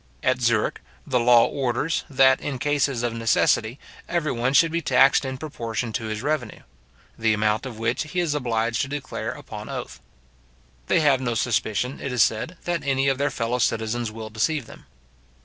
At Zurich, the law orders, that in cases of necessity, every one should be taxed in proportion to his revenue; the amount of which he is obliged to declare upon oath. They have no suspicion, it is said, that any of their fellow citizens will deceive them.